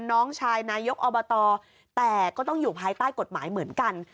น้องชายนายกอบตแต่ก็ต้องอยู่ภายใต้กฎหมายเหมือนกัน